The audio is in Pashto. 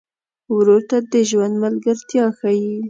ورور ته د ژوند ملګرتیا ښيي.